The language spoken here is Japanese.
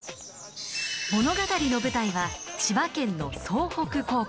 物語の舞台は千葉県の総北高校。